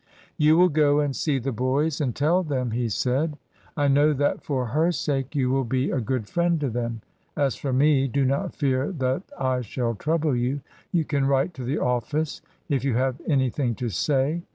"You will go and see the boys and tell them," he said. "I know that for her sake you will be a good friend to them. As for me, do not fear that I shall trouble you. You can write to the office if you have anything to say.